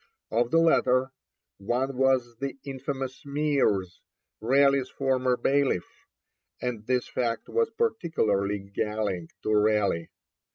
Of the latter, one was the infamous Meeres, Raleigh's former bailiff, and this fact was particularly galling to Raleigh.